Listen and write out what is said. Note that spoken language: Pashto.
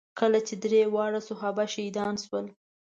کله چې درې واړه صحابه شهیدان شول.